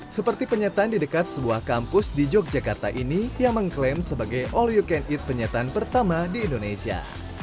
seperti penyetan di dekat sebuah kampus di yogyakarta ini yang mengklaim sebagai all you can eat penyetan pertama di indonesia